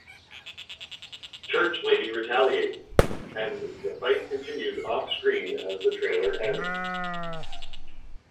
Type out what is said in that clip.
Church Lady retaliates and the fight continues offscreen as the trailer ends.